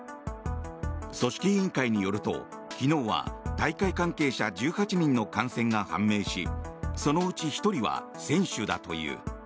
組織委員会によると、昨日は大会関係者１８人の感染が判明しそのうち１人は選手だという。